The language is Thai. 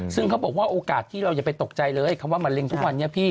ซึ่งเขาบอกว่าโอกาสที่เราอย่าไปตกใจเลยคำว่ามะเร็งทุกวันนี้พี่